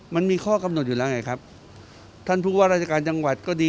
มันมีข้อกำหนดอยู่แล้วไงครับท่านผู้ว่าราชการจังหวัดก็ดี